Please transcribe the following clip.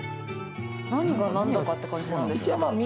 何が何だかって感じなんですけれども。